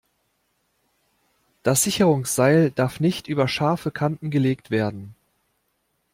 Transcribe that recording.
Das Sicherungsseil darf nicht über scharfe Kanten gelegt werden.